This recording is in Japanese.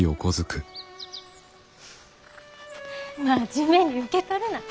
真面目に受け取るな。